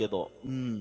うん。